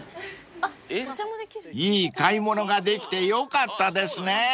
［いい買い物ができてよかったですね］